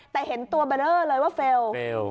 แต่เห็นตัวเบอร์เลอร์เลยว่าเฟลล์